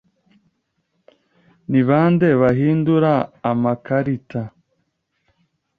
Ni bande bahindura amakarita?